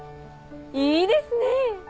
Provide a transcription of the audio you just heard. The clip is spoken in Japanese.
いいですね！